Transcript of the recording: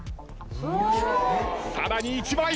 さらに１枚。